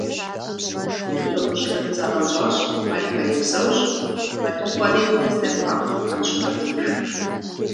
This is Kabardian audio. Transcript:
Дыгъужьхэми загъэнщӏащ, мэлхэри псэущ, мэлыхъуэри здэкӏуам Тхьэм щигъэтынш.